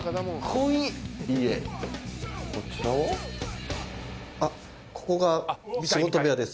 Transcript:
こちらは？